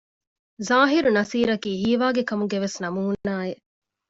ޒާހިރު ނަޞީރަކީ ހީވާގި ކަމުގެވެސް ނަމޫނާއެއް